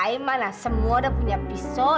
i mana semua udah punya pisau